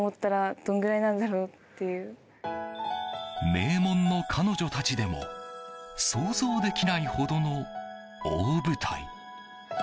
名門の彼女たちでも想像できないほどの大舞台。